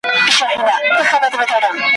او ښکنځلو څخه ډکه وه `